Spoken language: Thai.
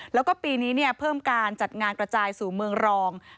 แล้วก็ปีนี้เพิ่มการจัดงานกระจายสู่เมืองรอง